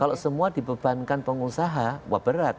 karena semua dibebankan pengusaha wah berat